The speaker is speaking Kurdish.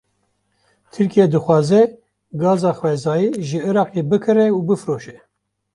Tirkiye, dixwaze gaza xwezayî ji Îraqê bikire û bifroşe